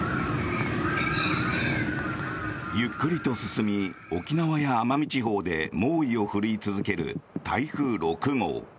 ゆっくりと進み沖縄や奄美地方で猛威を振るい続ける台風６号。